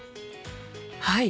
はい！